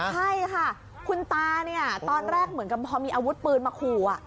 ใช่ค่ะคุณตาเนี่ยตอนแรกเหมือนกับพอมีอาวุธปืนมาขู่